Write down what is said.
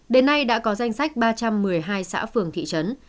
đến nay đã có danh sách ba trăm một mươi hai xã phường thị trấn